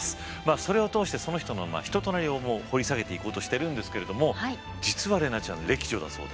それを通してその人の人となりを掘り下げていこうとしてるんですけれども実は怜奈ちゃん歴女だそうで。